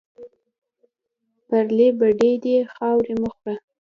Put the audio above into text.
پرلې بډۍ دې خاورې مه خوره